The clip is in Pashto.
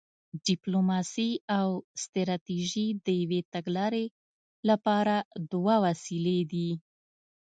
ډیپلوماسي او ستراتیژي د یوې تګلارې لپاره دوه وسیلې دي